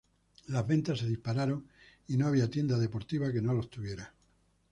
Las ventas se dispararon y no había tienda deportiva que no los tuviera.